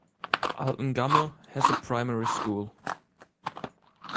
Altengamme has a primary school.